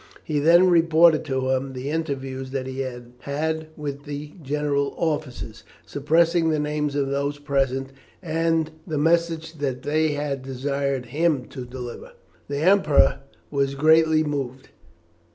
He then reported to him the interviews that he had had with the general officers, suppressing the names of those present, and the message they had desired him to deliver. The Emperor was greatly moved.